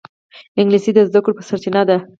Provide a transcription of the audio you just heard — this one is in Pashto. انګلیسي د زده کړو سرچینه ده